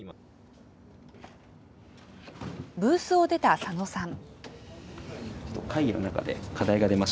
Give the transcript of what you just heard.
ブースを出た佐野さん。